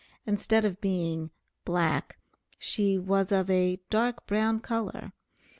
Instead of being "black," she was of a "dark brown color."